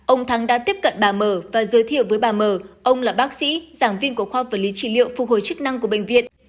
ông thắng đã tiếp cận bà mở và giới thiệu với bà mờ ông là bác sĩ giảng viên của khoa vật lý trị liệu phục hồi chức năng của bệnh viện